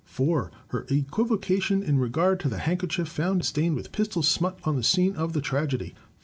4. Her equivocation in regard to the handkerchief found stained with pistol smut on the scene of the tragedy.